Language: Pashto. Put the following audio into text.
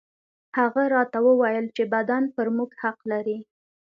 هغه راته وويل چې بدن پر موږ حق لري.